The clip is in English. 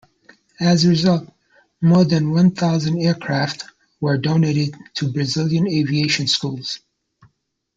As a result, more than one thousand aircraft were donated to Brazilian aviation schools.